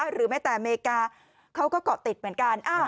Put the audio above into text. หรือแม้แต่อเมริกาเขาก็เกาะติดเหมือนกัน